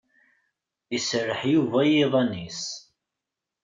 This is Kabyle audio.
Iserreḥ Yuba i yiḍan-ines.